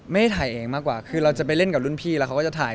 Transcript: ไม่ได้ถ่ายเองมากกว่าคือเราจะไปเล่นกับรุ่นพี่แล้วเขาก็จะถ่าย